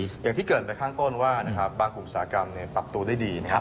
อย่างที่เกิดไปข้างต้นว่าบางกลุ่มอุตสาหกรรมปรับตัวได้ดี